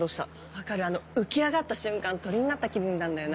分かるあの浮き上がった瞬間鳥になった気分になるんだよなぁ。